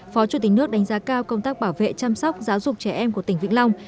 phó chủ tịch nước đánh giá cao công tác bảo vệ chăm sóc giáo dục trẻ em của tỉnh vĩnh long